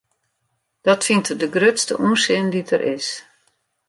Dat fynt er de grutste ûnsin dy't der is.